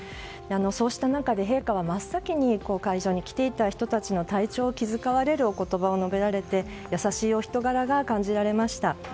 そうした中で、陛下は真っ先に会場に来ていた人たちの体調を気遣われるお言葉を述べられてやさしいお人柄が感じられました。